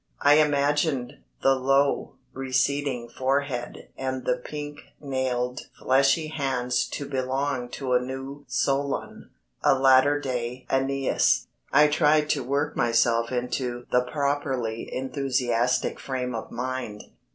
I imagined the low, receding forehead and the pink nailed, fleshy hands to belong to a new Solon, a latter day Æneas. I tried to work myself into the properly enthusiastic frame of mind.